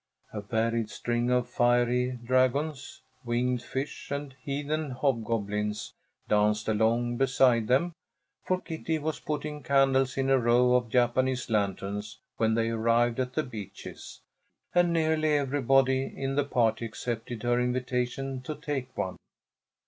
A varied string of fiery dragons, winged fish, and heathen hobgoblins danced along beside them, for Kitty was putting candles in a row of Japanese lanterns when they arrived at The Beeches, and nearly everybody in the party accepted her invitation to take one.